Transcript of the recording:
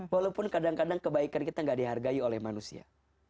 walaupun kadang kadang kebaikan kita tidak dihargai oleh manusia